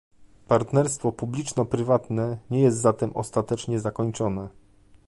partnerstwo publiczno-prywatne nie jest zatem ostatecznie zakończone